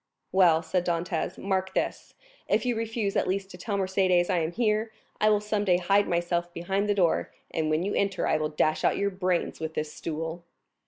"Well," said Dantès, "mark this; if you refuse at least to tell Mercédès I am here, I will some day hide myself behind the door, and when you enter I will dash out your brains with this stool."